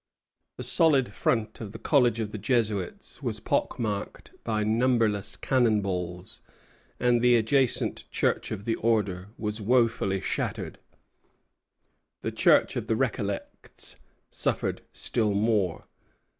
The solid front of the College of the Jesuits was pockmarked by numberless cannon balls, and the adjacent church of the Order was wofully shattered. The church of the Recollects suffered still more.